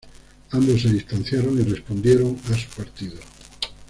Ambos se distanciaron y respondieron a su partido.